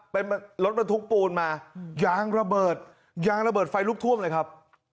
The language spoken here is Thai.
เป็นรถบรรทุกปูนมายางระเบิดยางระเบิดไฟลุกท่วมเลยครับ